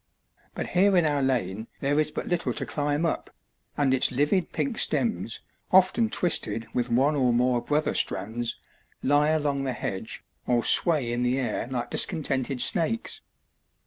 But here in our lane there is but little to climb up, and its livid pink stems, often twisted with one or more brother strands, lie along the hedge or sway in the air like discontented snakes.